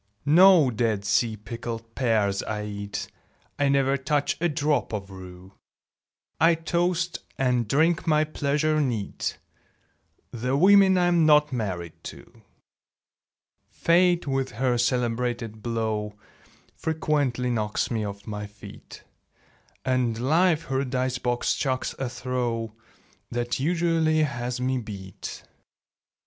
No Dead Sea pickled pears I eat; I never touch a drop of rue; I toast, and drink my pleasure neat, The women I'm not married to! Fate with her celebrated blow Frequently knocks me off my feet; And Life her dice box chucks a throw That usually has me beat.